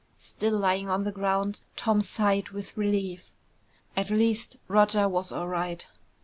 Still lying on the ground, Tom sighed with relief. At least Roger was all right.